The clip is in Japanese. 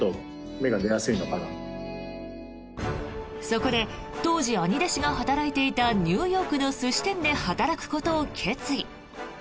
そこで当時、兄弟子が働いていたニューヨークの寿司店で働くことを決意。